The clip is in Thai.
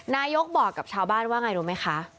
นายกบอกกับชาวบ้านว่าไงรู้ไหมคะ